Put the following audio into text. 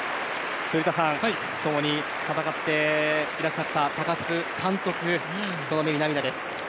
古田さん共に戦っていらっしゃった高津監督その目に涙です。